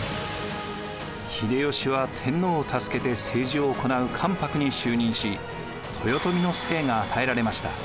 秀吉は天皇を助けて政治を行う関白に就任し豊臣の姓が与えられました。